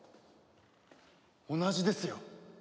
同じですよ！